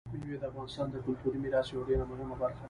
مېوې د افغانستان د کلتوري میراث یوه ډېره مهمه برخه ده.